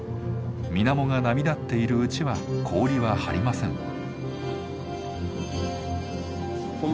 水面が波立っているうちは氷は張りません。